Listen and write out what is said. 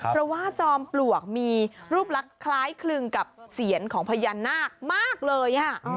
เพราะว่าจอมปลวกมีรูปลักษณ์คล้ายคลึงกับเสียนของพญานาคมากเลย